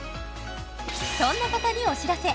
そんな方にお知らせ